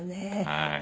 はい。